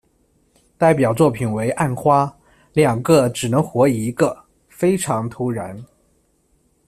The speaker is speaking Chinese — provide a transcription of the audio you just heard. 代表作品为《暗花》、《两个只能活一个》、《非常突然》。